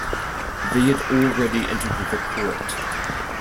They had already entered the court.